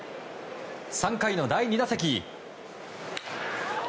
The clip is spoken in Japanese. ３回の第２打席。